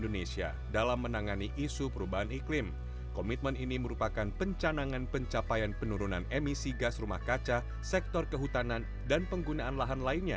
volunet sink dua ribu tiga puluh pun menjadi bentuk keseribuan